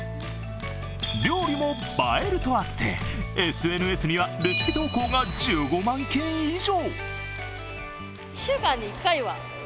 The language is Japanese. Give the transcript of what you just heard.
料理も映えるとあって、ＳＮＳにはレシピ投稿が１５万件以上。